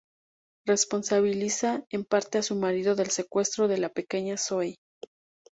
Responsabiliza en parte a su marido del secuestro de la pequeña Zoey.